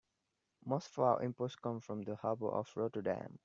Most of our imports come from the harbor of Rotterdam.